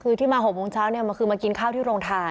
คือที่มา๖โมงเช้าเนี่ยมันคือมากินข้าวที่โรงทาน